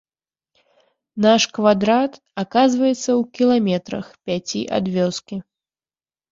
Наш квадрат аказваецца ў кіламетрах пяці ад вёскі.